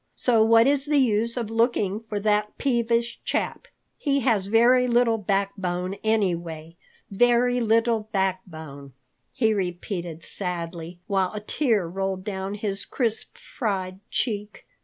So what is the use of looking for that peevish chap? He has very little backbone anyway. Very little backbone," he repeated sadly, while a tear rolled down his crisp, fried cheek.